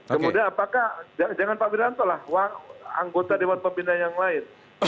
kemudian apakah jangan pak wiranto lah anggota dewan pembina yang lain